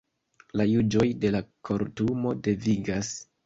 La juĝoj de la Kortumo devigas.